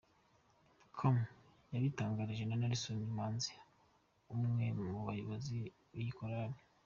com yabitangarijwe na Nelson Manzi umwe mu bayobozi b’iyi Korali.